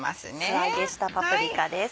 素揚げしたパプリカです。